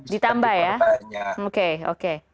ditambah ya oke oke